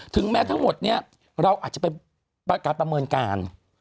แม้ทั้งหมดเนี่ยเราอาจจะไปประกาศประเมินการ